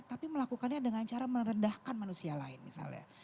tapi melakukannya dengan cara merendahkan manusia lain misalnya